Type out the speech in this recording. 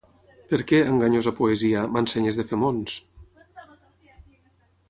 Per què, enganyosa poesia, m’ensenyes de fer mons?